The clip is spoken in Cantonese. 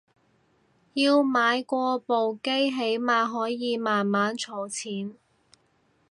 要買過部機起碼可以慢慢儲錢